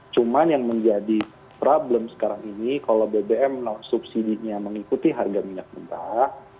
cuma yang menjadi problem sekarang ini kalau bbm non subsidinya mengikuti harga minyak mentah